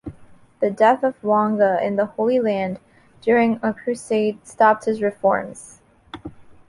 The death of Wanga in the Holy Land, during a Crusade, stopped his reforms.